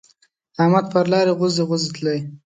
احمد پر لار غوزی غوزی تلی.